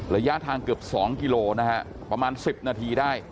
ระยะทางเกือบ๒กิโลนะฮะประมาณ๑๐นาทีได้